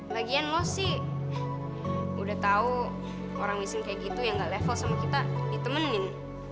bagian mo sih udah tau orang misin kayak gitu yang gak level sama kita ditemenin